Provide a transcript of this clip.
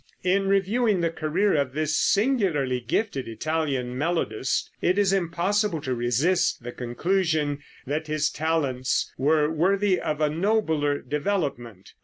In reviewing the career of this singularly gifted Italian melodist, it is impossible to resist the conclusion that his talents were worthy of a nobler development.